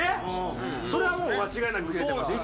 それはもう間違いなくウケてました。